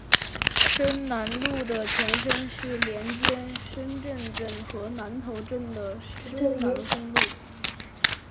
深南路的前身是连接深圳镇和南头镇的深南公路。